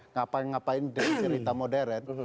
ngapain ngapain cerita modern